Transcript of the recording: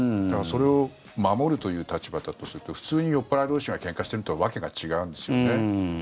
だから、それを守るという立場だとすると普通に酔っ払い同士がけんかをしているのとは訳が違うんですよね。